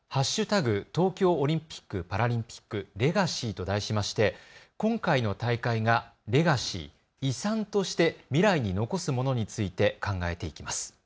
東京オリンピック・パラリンピックレガシーと題しまして今回の大会がレガシー・遺産として未来に残すものについて考えていきます。